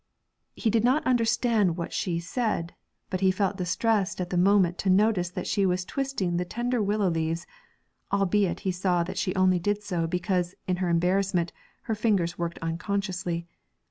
He did not understand what she said; but he felt distressed at the moment to notice that she was twisting the tender willow leaves, albeit he saw that she only did so because, in her embarrassment, her fingers worked unconsciously.